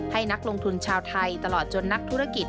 นักลงทุนชาวไทยตลอดจนนักธุรกิจ